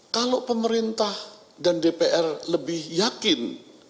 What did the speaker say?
kalau pemerintah dan dpr lebih yakin